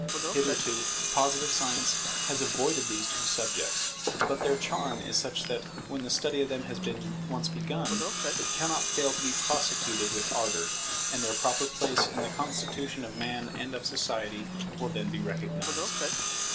Hitherto Positive science has avoided these two subjects: but their charm is such that, when the study of them has been once begun, it cannot fail to be prosecuted with ardour; and their proper place in the constitution of Man and of Society will then be recognized.